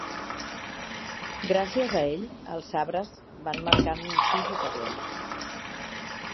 Gràcies a ell, els Sabres van marcar en sis ocasions.